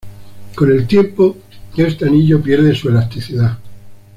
Con el tiempo este anillo pierde su elasticidad.